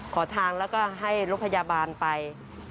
ขอทางแล้วก็ให้รถพยาบาลไป